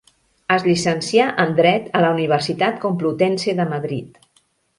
Es llicencià en dret a la Universitat Complutense de Madrid.